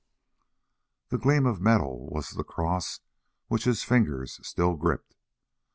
The gleam of metal was the cross which his fingers still gripped.